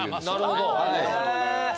なるほど。